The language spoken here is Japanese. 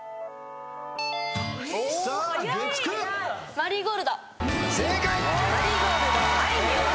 『マリーゴールド』正解。